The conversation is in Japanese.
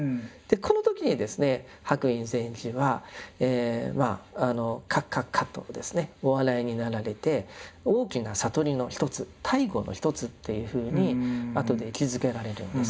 この時にですね白隠禅師はまあカッカッカとお笑いになられて大きな悟りのひとつ「大悟のひとつ」っていうふうにあとで位置づけられるんです。